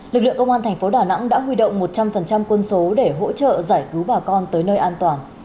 lực lượng công an thành phố đà nẵng đã huy động một trăm linh quân số để hỗ trợ giải cứu bà con tới nơi an toàn